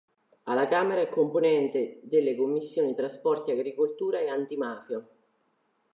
Alla Camera è componente delle Commissioni Trasporti, Agricoltura e Antimafia.